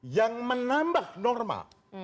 yang menambah norma